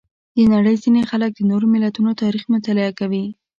د نړۍ ځینې خلک د نورو ملتونو تاریخ مطالعه کوي.